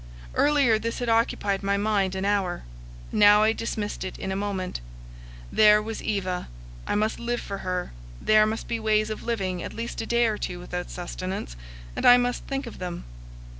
Earlier, this had occupied my mind an hour; now I dismissed it in a moment; there was Eva, I must live for her; there must be ways of living at least a day or two without sustenance, and I must think of them.